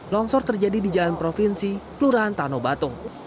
longsor terjadi di jalan provinsi kelurahan tanobatung